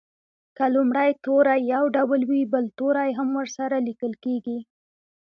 که لومړی توری یو ډول وي بل توری هم ورسره لیکل کیږي.